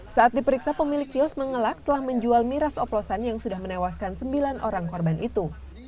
saat diperiksa pemilik kios mengelak telah menjual miras oplosan yang sudah menewaskan sembilan orang korban itu